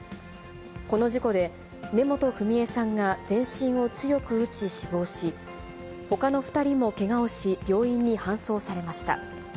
この事故で、根本文江さんが全身を強く打ち死亡し、ほかの２人もけがをし、病院に搬送されました。